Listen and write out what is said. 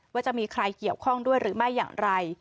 ว่าจะมีใครเกี่ยวข้องด้วยหรือไม่อย่างไร